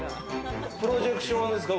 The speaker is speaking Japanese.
プロジェクションですか？